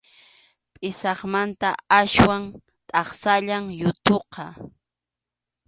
Pʼisaqmanta aswan taksallam yuthuqa.